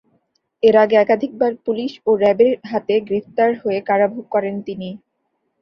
এর আগে একাধিকবার পুলিশ ও র্যাবের হাতে গ্রেপ্তার হয়ে কারাভোগ করেন তিনি।